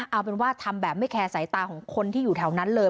เอาเป็นว่าทำแบบไม่แคร์สายตาของคนที่อยู่แถวนั้นเลย